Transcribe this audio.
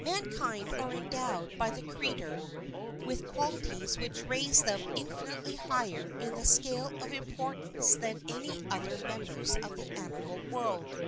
Mankind are endowed by the Creator with qualities which raise them infinitely higher in the scale of importance than any other members of the animal world.